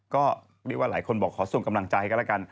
ก็เรียกว่าหลายคนบอกขอส่งกำลังใจกันแล้วกัน